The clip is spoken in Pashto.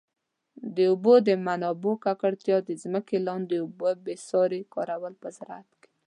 د اوبو د منابعو ککړتیا، د ځمکي لاندي اوبو بي ساري کارول په زراعت.